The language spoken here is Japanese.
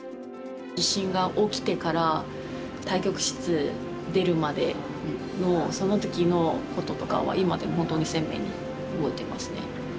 地震が起きてから対局室出るまでのその時のこととかは今でも本当に鮮明に覚えてますね。